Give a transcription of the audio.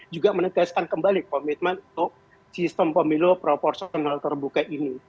juga menegaskan kembali komitmen untuk sistem pemilu proporsional terbuka ini